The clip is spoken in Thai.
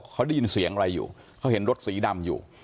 เขาได้ยินเสียงอะไรอยู่เขาเห็นรถสีดำอยู่